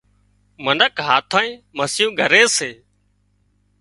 منک هاٿانئي مسيون ڳري سي